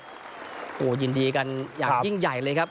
โอ้โหยินดีกันอย่างยิ่งใหญ่เลยครับ